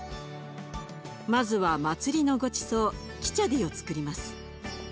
まずは祭りのごちそうキチャディをつくります。